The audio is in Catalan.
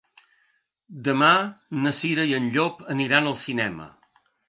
Demà na Cira i en Llop aniran al cinema.